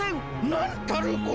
なんたること！